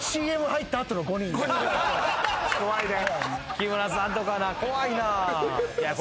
木村さんとかな怖いな。